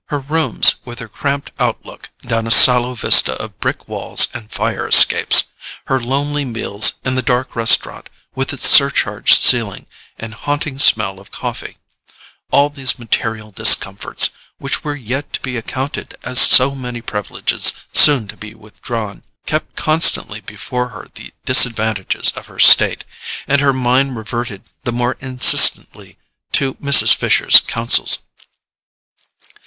Her rooms, with their cramped outlook down a sallow vista of brick walls and fire escapes, her lonely meals in the dark restaurant with its surcharged ceiling and haunting smell of coffee—all these material discomforts, which were yet to be accounted as so many privileges soon to be withdrawn, kept constantly before her the disadvantages of her state; and her mind reverted the more insistently to Mrs. Fisher's counsels.